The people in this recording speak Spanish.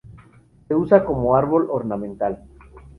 Se usa como árbol ornamental.